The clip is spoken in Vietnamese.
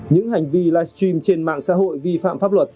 những hành vi live stream trên mạng xã hội vi phạm pháp luật